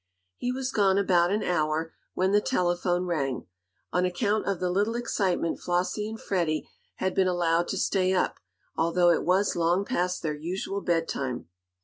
He was gone about an hour, when the telephone rang. On account of the little excitement Flossie and Freddie had been allowed to stay up, although it was long past their usual bedtime.